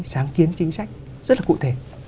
sáng kiến chính sách rất là cụ thể